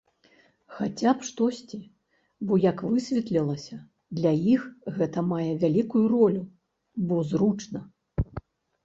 Хаця б штосьці, бо, як высветлілася, для іх гэта мае вялікую ролю, бо зручна.